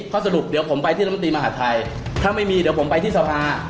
ข้อสรุปเดี๋ยวผมไปที่รัฐมนตรีมหาดไทยถ้าไม่มีเดี๋ยวผมไปที่สภา